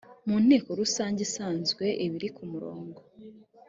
mu nteko rusange isanzwe ibiri ku murongo